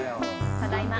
ただいま。